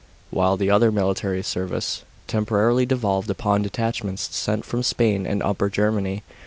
while the other military service tem porarily devolved upon detachments sent from Spain and Upper Germany.